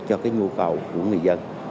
cho cái nhu cầu của người dân